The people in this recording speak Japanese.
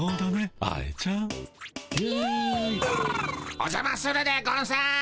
おじゃまするでゴンス。